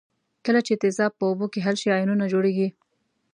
کله چې تیزاب په اوبو کې حل شي آیونونه جوړیږي.